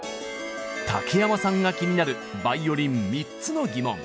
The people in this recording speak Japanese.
竹山さんが気になるバイオリン３つのギモン。